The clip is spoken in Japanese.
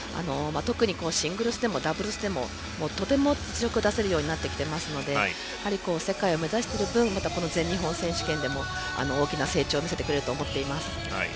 特にシングルスでもダブルスでもとても実力を出せるようになっていますので世界を目指している分全日本選手権でも大きな成長を見せてくれると思っています。